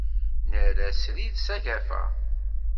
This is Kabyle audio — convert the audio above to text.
Nerra srid s agafa.